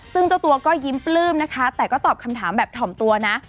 ซึ่งเจ้าตัวก็ยิ้มปลื้มนะคะแต่ก็ตอบคำถามแบบถ่อมตัวนะ